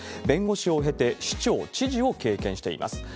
弁護士を経て、市長、知事を経験しています。